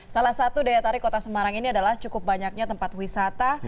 salah satu daya tarik kota semarang ini adalah cukup banyaknya tempat wisata